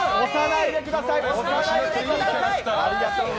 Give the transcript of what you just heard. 押さないでください！